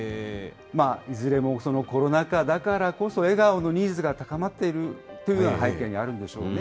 いずれもコロナ禍だからこそ笑顔のニーズが高まっているというような背景にあるんでしょうね。